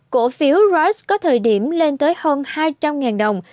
cổ phiếu ross có thời điểm lên tới hơn hai trăm linh đồng